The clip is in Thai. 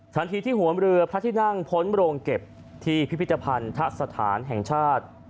ทันทีที่หัวเรือพระที่นั่งพ้นโรงเก็บที่พิพิธภัณฑสถานแห่งชาติ